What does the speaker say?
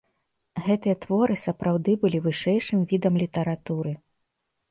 Гэтыя творы сапраўды былі вышэйшым відам літаратуры.